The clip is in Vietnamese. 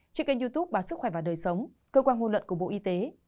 trên kênh youtube bản sức khỏe và đời sống cơ quan hôn luận của bộ y tế